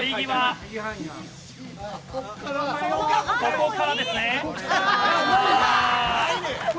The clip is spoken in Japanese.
ここからですね。